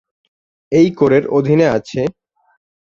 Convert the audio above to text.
এই কোরের অধীনে আছেঃ